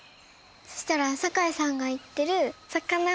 そしたら酒井さんが言ってる残念！